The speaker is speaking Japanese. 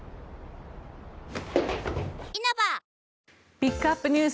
ピックアップＮＥＷＳ